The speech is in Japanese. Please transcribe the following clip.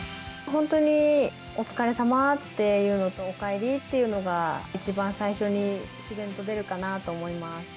本当にお疲れさまっていうのと、おかえりっていうのが、一番最初に、自然と出るかなと思います。